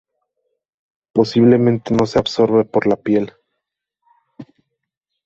Posiblemente no se absorbe por la piel